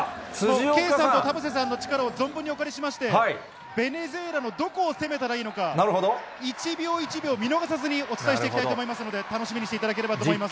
圭さんと田臥さんの力を存分にお借りしまして、ベネズエラのどこを攻めたらいいのか、一秒一秒見逃さずにお伝えしていきたいと思いますので、楽しみにしていただければと思います。